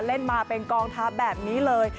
เล่นมาเป็นกองทัพแบบนี้เลย